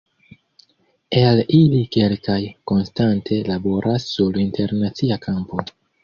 El ili kelkaj konstante laboras sur internacia kampo.